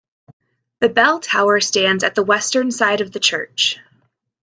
The bell tower stands at the western side of the church.